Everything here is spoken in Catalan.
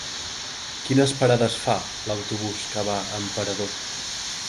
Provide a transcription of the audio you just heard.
Quines parades fa l'autobús que va a Emperador?